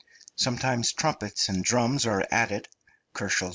Sometimes trumpets and drums are added (263 K.)